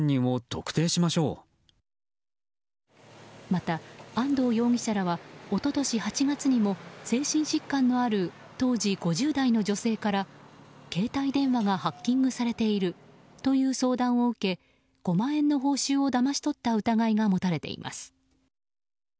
また安藤容疑者らは一昨年８月にも精神疾患のある当時５０代の女性から携帯電話がハッキングされているという相談を受け５万円の報酬をだまし取った疑いが持たれています。